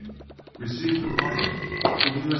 Received appointment to U. S.